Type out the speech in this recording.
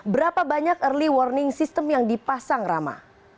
berapa banyak early warning system yang dipasang rama